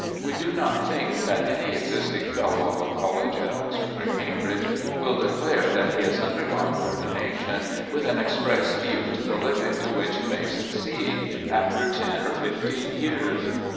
We do not think that any existing fellow of a college at Oxford or Cambridge will declare that he has undergone ordination with an express view to the living to which he may succeed after ten or fifteen years.